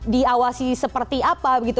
diawasi seperti apa begitu